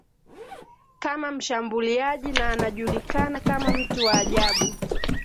Kama mshambuliaji na anajulikana kama mtu wa ajabu